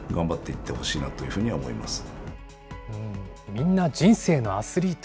みんな人生のアスリート。